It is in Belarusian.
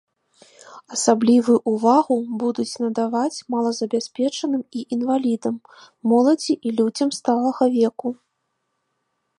Асаблівую ўвагу будуць надаваць малазабяспечаным і інвалідам, моладзі і людзям сталага веку.